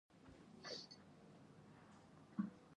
ځانته لوی هدفونه وټاکئ.